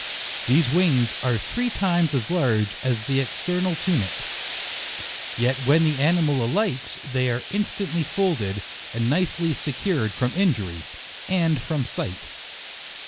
These wings are three times as large as the external tunic, yet when the ani mal alights, they are instantly folded, and nicely secured from injury, and from sight.